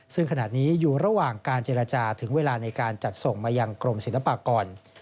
ซึ่งขณะนี้อยู่ระหว่างการเจรจาถึงเวลาในการจัดส่งมายังกรมศิลปากร